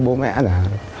bố mẹ là